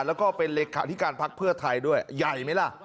แล้วก็เป็นเลขาธิการพักเพื่อไทยด้วยใหญ่ไหมล่ะ